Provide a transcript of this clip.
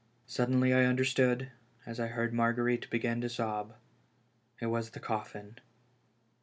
Sud denly I understood, as I heard Marguerite begin to sob : it was the coffin.